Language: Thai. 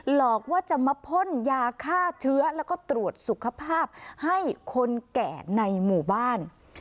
หลอกว่าจะมาพ่นยาฆ่าเชื้อแล้วก็ตรวจสุขภาพให้คนแก่ในหมู่บ้าน